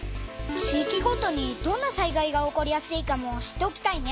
地いきごとにどんな災害が起こりやすいかも知っておきたいね。